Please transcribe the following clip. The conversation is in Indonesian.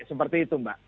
seperti itu mbak